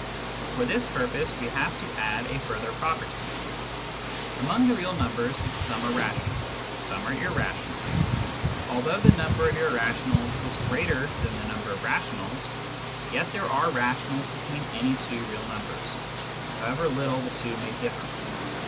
For this purpose we have to add a further property. Among the real numbers some are rational, some are irrational ; although the number of irrationals is greater than the number of rationals, yet there are rationals between any two real numbers, however 104 Introduction to Mathematical Philosophy little the two may differ.